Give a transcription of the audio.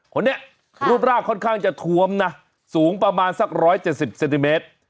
คนนี้ค่ะรูปรากค่อนข้างจะถวมน่ะสูงประมาณสักร้อยเจ็ดสิบเซนติเมตร